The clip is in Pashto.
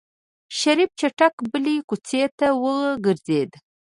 شريف چټک بلې کوڅې ته وګرځېد.